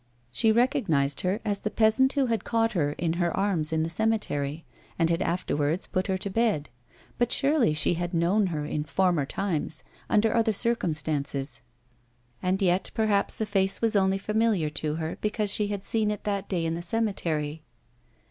She recognised her as the peasant who had caught her in her arms in the cemetery, and had afterwards put her to bed ; but surely she had known her in former times, under other circumstances. And yet perhaps the face was only familiar to her, because she had seen it that day in the cemetery.